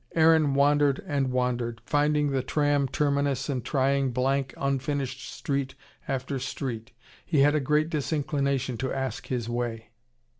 Aaron wandered and wandered, finding the tram terminus and trying blank, unfinished street after street. He had a great disinclination to ask his way.